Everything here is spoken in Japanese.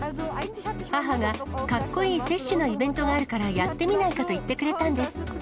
母が、かっこいい接種のイベントがあるから、やってみないかと言ってくれたんです。